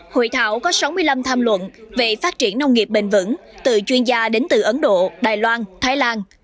hội thảo có sáu mươi năm tham luận về phát triển nông nghiệp bền vững từ chuyên gia đến từ ấn độ đài loan thái lan